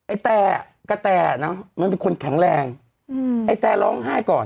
ไอ้แต้กะแต้เนอะเป็นคนแข็งแรง